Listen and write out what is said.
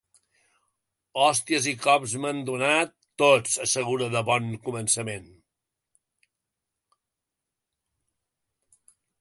Hòsties i cops n’hem donat tots, assegura de bon començament.